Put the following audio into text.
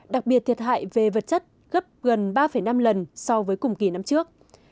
đặc biệt thiệt hại về vật chất gấp gần ba năm lần so với cùng kỳ năm trước